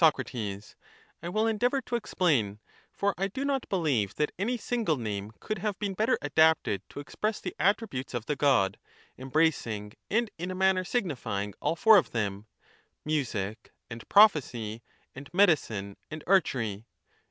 Sac. I will endeavour to explain, for I do not beheve that any single name could have been better adapted to express 40 c the attributes of the God, embracing and in a manner signi fying all four of them, — music, and prophecy, and medicine, and archery.